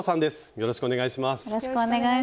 よろしくお願いします。